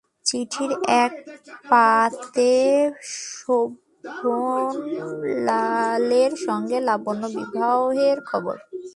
চিঠির এক পাতে শোভনলালের সঙ্গে লাবণ্যর বিবাহের খবর।